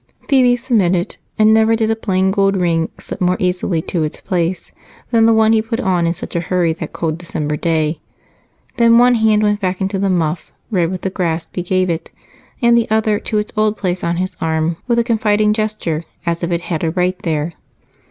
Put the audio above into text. Phebe submitted and never did a plain gold ring slip more easily to its place than the one he put on in such a hurry that cold December day. Then one hand went back into the muff red with the grasp he gave it, and the other to its old place on his arm with a confiding gesture, as if it had a right there.